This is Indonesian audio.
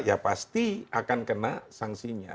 ya pasti akan kena sanksinya